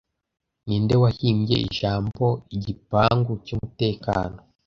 Ninde wahimbye ijambo igipangu cyumutekano